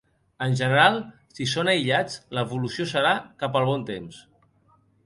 En general, si són aïllats, l’evolució serà cap al bon temps.